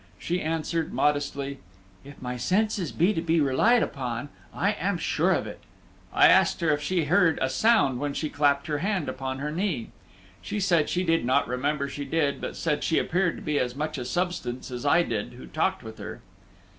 She answered, modestly, "If my senses be to be relied on, I am sure of it." I asked her if she heard a sound when she clapped her hand upon her knee. She said she did not remember she did, but said she appeared to be as much a substance as I did who talked with her.